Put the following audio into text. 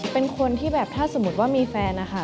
เป็นคนที่แบบถ้าสมมุติว่ามีแฟนนะคะ